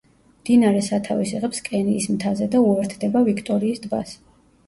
მდინარე სათავეს იღებს კენიის მთაზე და უერთდება ვიქტორიის ტბას.